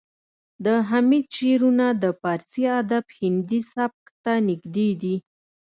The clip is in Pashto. د حمید شعرونه د پارسي ادب هندي سبک ته نږدې دي